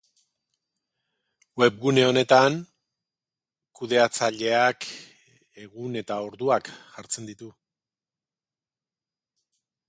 Webgune honetan kudeatzaileak egun eta orduak jartzen ditu.